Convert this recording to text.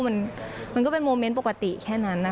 มันก็เป็นโมเมนต์ปกติแค่นั้น